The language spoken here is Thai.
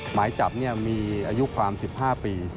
หมายจับมีอายุความ๑๕ปี